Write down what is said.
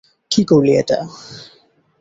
কী করলি এটা!